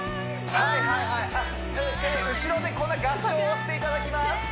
はいはいあっ後ろでこんな合掌をしていただきます